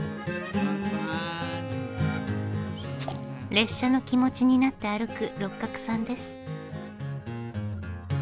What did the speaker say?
列車の気持ちになって歩く六角さんです。